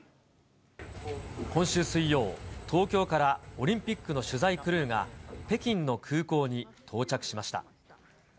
今週水曜、東京からオリンピックの取材クルーが、北京の空港に到着しました。